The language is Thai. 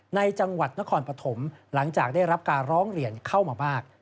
ในจังหวัดนครปฐมหลังจากได้รับการร้องเรียนเข้ามามาก